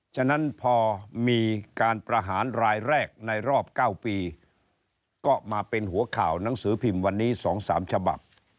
ฉะนั้นพอมีการประหารรายแรกในรอบ๙ปีก็มาเป็นหัวข่าวหนังสือพิมพ์วันนี้๒๓ฉบับ